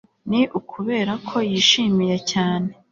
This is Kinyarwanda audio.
ni ukubera ko yishimiye cyane